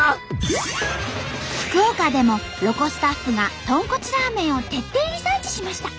福岡でもロコスタッフが豚骨ラーメンを徹底リサーチしました。